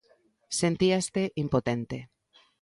Sentíaste impotente.